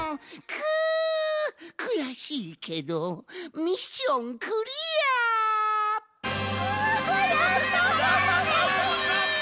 くやしいけどミッションクリア！わやった！